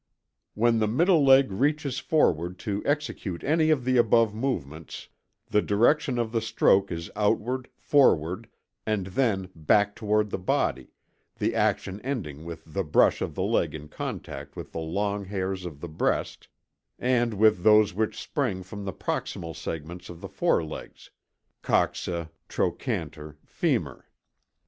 When the middle leg reaches forward to execute any of the above movements the direction of the stroke is outward, forward, and then back toward the body, the action ending with the brush of the leg in contact with the long hairs of the breast and with those which spring from the proximal segments of the forelegs (coxa, trochanter, femur).